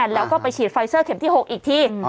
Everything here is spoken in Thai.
แล้วก็ไปฉีดไฟเซอร์เข็มที่๖อีกที